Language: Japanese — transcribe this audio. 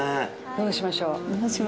どうしましょう。